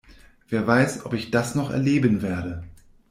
Wer weiß, ob ich das noch erleben werde?